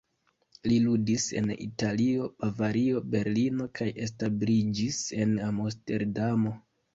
Li ludis en Italio, Bavario, Berlino kaj establiĝis en Amsterdamo.